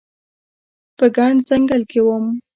په ګڼ ځنګل کې وم